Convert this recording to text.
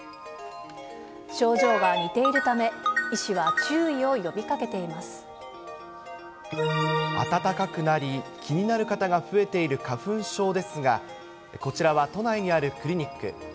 症状が似ているため、医師は暖かくなり、気になる方が増えている花粉症ですが、こちらは都内にあるクリニック。